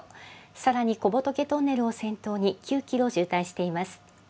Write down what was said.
さらに小仏トンネルを先頭に９キロ渋滞しています。